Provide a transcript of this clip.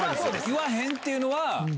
言わへんっていうのは。